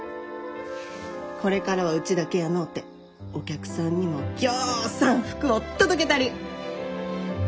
これからはウチだけやのうてお客さんにもぎょうさん福を届けたり。